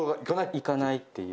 いかないっていう。